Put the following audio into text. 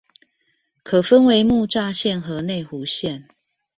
可分為木柵線和內湖線